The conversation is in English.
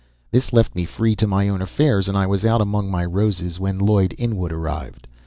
This left me free to my own affairs, and I was out among my roses when Lloyd Inwood arrived.